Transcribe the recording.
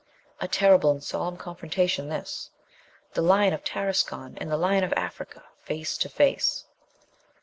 A terrible and solemn confrontation, this! The lion of Tarascon and the lion of Africa face to face!